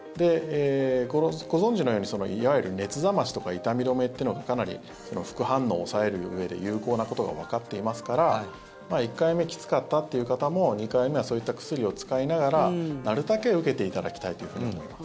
ご存じのように、いわゆる熱冷ましとか痛み止めってのがかなり副反応を抑えるうえで有効なことがわかっていますから１回目きつかったっていう方も２回目そういった薬を使いながらなるたけ受けていただきたいと思います。